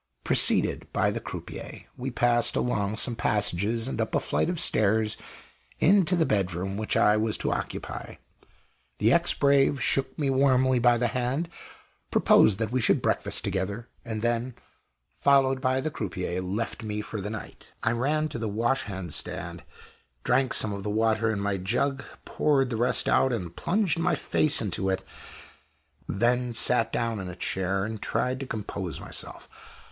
Preceded by the croupier, we passed along some passages and up a flight of stairs into the bedroom which I was to occupy. The ex brave shook me warmly by the hand, proposed that we should breakfast together, and then, followed by the croupier, left me for the night. I ran to the wash hand stand; drank some of the water in my jug; poured the rest out, and plunged my face into it; then sat down in a chair and tried to compose myself.